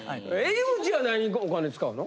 井口は何にお金使うの？